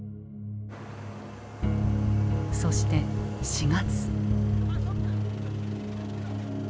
そして４月。